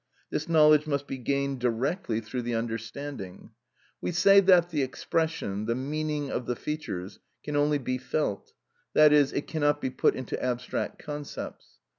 This knowledge must be gained directly through the understanding. We say that the expression, the meaning of the features, can only be felt, that is, it cannot be put into abstract concepts.